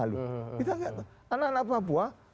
kita tidak tahu anak anak papua